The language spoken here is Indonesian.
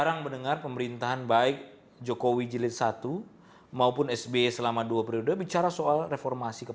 tapi desain bagaimana kontestasi kepala daerah itu tidak dibangun